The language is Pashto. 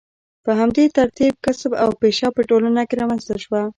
په همدې ترتیب کسب او پیشه په ټولنه کې رامنځته شوه.